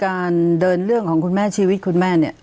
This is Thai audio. การเดินเรื่องของคุณแม่ชีวิตคุณแม่เนี่ย